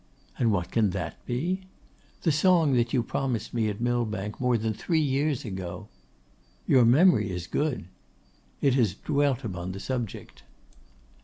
'And what can that be?' 'The song that you promised me at Millbank more than three years ago.' 'Your memory is good.' 'It has dwelt upon the subject.